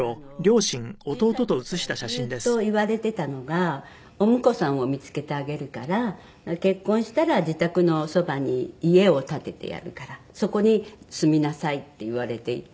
小さい頃からずっと言われてたのが「お婿さんを見付けてあげるから結婚したら自宅のそばに家を建ててやるからそこに住みなさい」って言われていて。